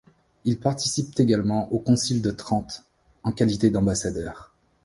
Il participe également au Concile de Trente en qualité d'ambassadeur.